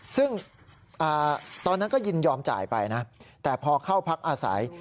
ซึ่งตอนนั้นก็ยินยอมจ่ายไปนะแต่พอเข้าพักอาศัย